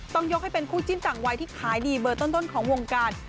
ต้องยกให้เป็นคู่จิ้นต่างวัยที่ขายดีเบอร์ต้นของวงการ